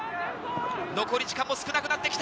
残り時間も少なくなってきた。